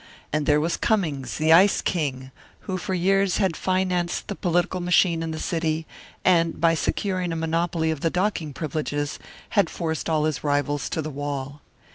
And there was Cummings, the Ice King, who for years had financed the political machine in the city, and, by securing a monopoly of the docking privileges, had forced all his rivals to the wall.